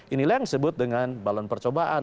inilah yang disebut dengan balon percobaan